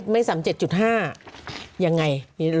ไม่๓๗๕ยังไง